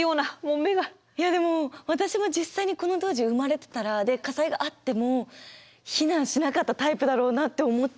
いやでも私も実際にこの当時生まれてたら火災があっても避難しなかったタイプだろうなって思っちゃいました。